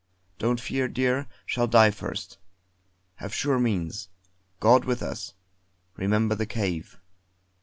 Don't fear, dear, shall die first. Have sure means. God with us. Remember the cave.